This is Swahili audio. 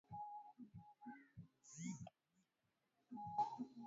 Wote wasingekukimbia